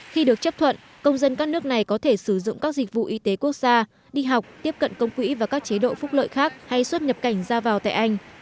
khi được chấp thuận công dân các nước này có thể sử dụng các dịch vụ y tế quốc gia đi học tiếp cận công quỹ và các chế độ phúc lợi khác hay xuất nhập cảnh ra vào tại anh